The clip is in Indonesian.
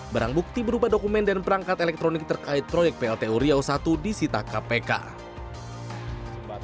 barang bukti berupa dokumen dan perangkat elektronik terkait proyek plt uriau i disita kpk